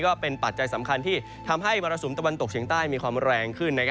ปัจจัยสำคัญที่ทำให้มรสุมตะวันตกเฉียงใต้มีความแรงขึ้น